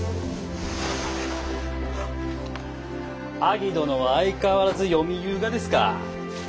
アギ殿は相変わらず読みゆうがですか。